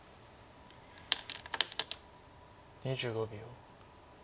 ２５秒。